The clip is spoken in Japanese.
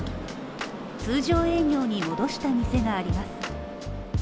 通常営業に戻した店があります。